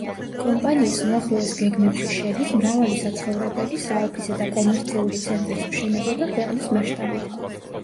კომპანიის უახლოეს გეგმებში შედის მრავალი საცხოვრებელი, საოფისე და კომერციული ცენტრის მშენებლობა ქვეყნის მასშტაბით.